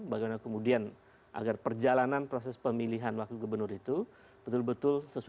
bagaimana kemudian agar perjalanan proses pemilihan wakil gubernur itu betul betul sesuai